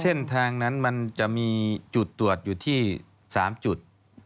เส้นทางนั้นมันจะมีจุดตรวจอยู่ที่๓จุด